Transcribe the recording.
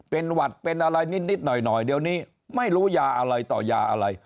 เป็นหวัดเป็นอะไรนิดหน่อยเดี๋ยวนี้ไม่รู้ยาอะไรต่อยาอะไร